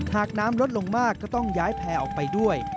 หากน้ำลดลงมากก็ต้องย้ายแพร่ออกไปด้วย